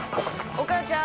お母ちゃん！